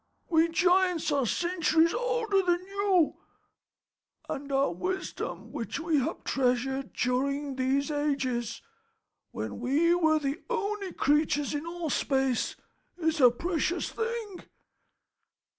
"We giants are centuries older than you, and our wisdom which we have treasured during these ages, when we were the only creatures in all space, is a precious thing.